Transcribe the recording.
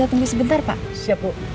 bisa tunggu sebentar pak siap